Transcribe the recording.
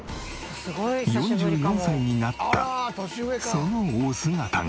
４４歳になったそのお姿が。